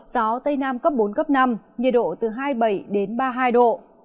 gió tây nam cấp bốn cấp năm nhiệt độ từ hai mươi bảy ba mươi hai độ